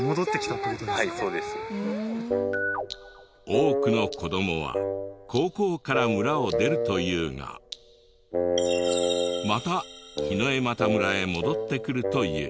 多くの子どもは高校から村を出るというがまた檜枝岐村へ戻ってくるという。